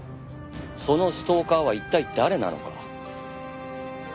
そのストーカーは一体誰なのか？